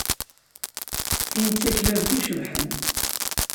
Tin d takbabt icebḥen.